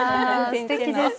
すてきです。